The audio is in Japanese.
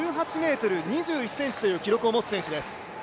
１８ｍ２１ｃｍという記録を持つ選手です